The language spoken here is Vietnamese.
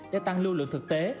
để tăng lưu lượng thực tế